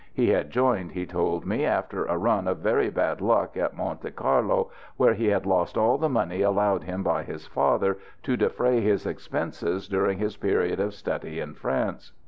He had joined, he told me, after a run of very bad luck at Monte Carlo, where he had lost all the money allowed him by his father to defray his expenses during his period of study in France.